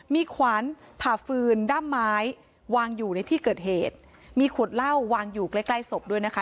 มีขวานผ่าฟืนด้ามไม้วางอยู่ในที่เกิดเหตุมีขวดเหล้าวางอยู่ใกล้ใกล้ศพด้วยนะคะ